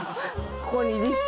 ここに。